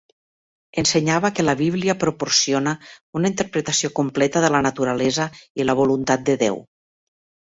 Ensenyava que la Bíblia proporciona una interpretació completa de la naturalesa i la voluntat de Déu.